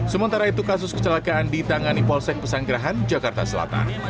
sementara itu kasus kecelakaan ditangani polsek pesanggerahan jakarta selatan